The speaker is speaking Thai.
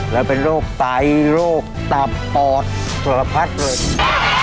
และเป็นโรคไตโรคตับตอดสละพัดเหลือ